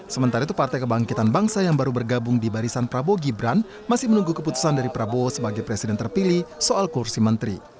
sementara itu partai kebangkitan bangsa yang baru bergabung di barisan prabowo gibran masih menunggu keputusan dari prabowo sebagai presiden terpilih soal kursi menteri